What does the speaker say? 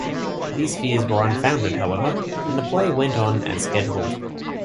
These fears were unfounded, however, and play went on as scheduled.